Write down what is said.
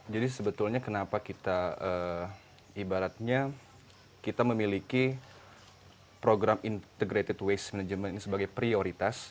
jadi sebetulnya kenapa kita ibaratnya kita memiliki program integrated waste management ini sebagai prioritas